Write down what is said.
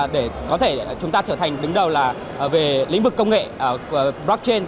để có thể chúng ta trở thành đứng đầu là về lĩnh vực công nghệ blockchain